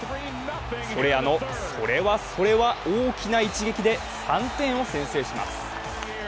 ソレアの、それはそれは大きな一撃で３点を先制します。